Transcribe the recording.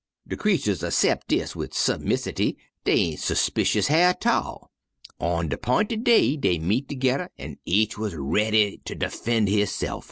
"De creeturs assept dis wid submissity, dey ain' 'spicion Hyar' 't all. On de 'pinted day dey met toge'rr, an' each wuz raidy ter defen' hisse'f.